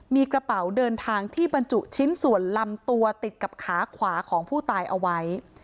มีกระเป๋าเดินทางที่บรรจุชิ้นส่วนลำตัวติดกับขาขวาของผู้ตายเอาไว้